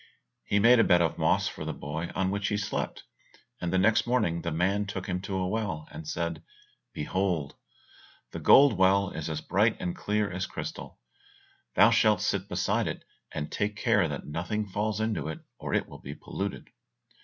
He made a bed of moss for the boy on which he slept, and the next morning the man took him to a well, and said, "Behold, the gold well is as bright and clear as crystal, thou shalt sit beside it, and take care that nothing falls into it, or it will be polluted.